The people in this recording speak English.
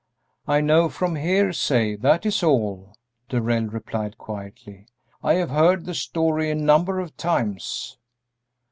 "I know from hearsay, that is all," Darrell replied, quietly; "I have heard the story a number of times."